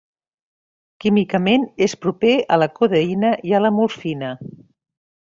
Químicament és proper a la codeïna i a la morfina.